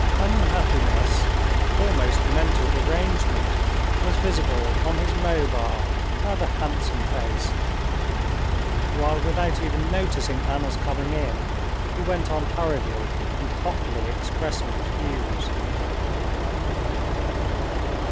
Unhappiness, almost mental derangement, was visible on his mobile, rather handsome face, while without even noticing Anna's coming in, he went on hurriedly and hotly expressing his views.